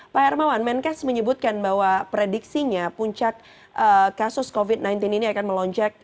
pak hermawan menkes menyebutkan bahwa prediksinya puncak kasus covid sembilan belas ini akan melonjak